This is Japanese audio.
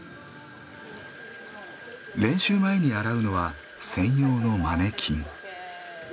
練習前に洗うのは専用のマネキン。